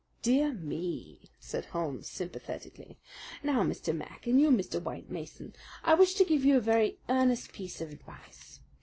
"Dear me!" said Holmes sympathetically. "Now, Mr. Mac and you, Mr. White Mason, I wish to give you a very earnest piece of advice.